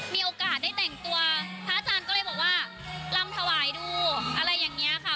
มีโอกาสได้แต่งตัวพระอาจารย์ก็เลยบอกว่าลำถวายดูอะไรอย่างนี้ค่ะ